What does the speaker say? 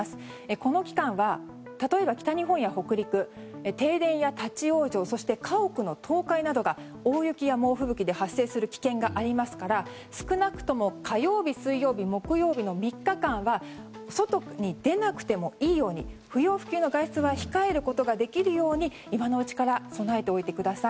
この期間は例えば北日本や北陸停電や立ち往生そして家屋の倒壊などが大雪や猛吹雪で発生する危険がありますから少なくとも火曜日、水曜日、木曜日の３日間は外に出なくてもいいように不要不急の外出は控えることができるように今のうちから備えておいてください。